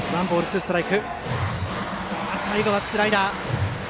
最後はスライダー。